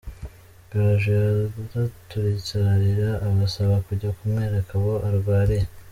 Gaju yaraturitse ararira abasaba kujya kumwereka aho arwariye.